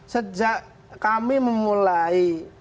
sejak kami memulai